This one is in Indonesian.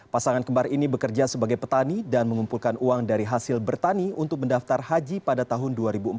pasangan kembar ini bekerja sebagai petani dan mengumpulkan uang dari hasil bertani untuk mendaftar haji pada tahun dua ribu empat belas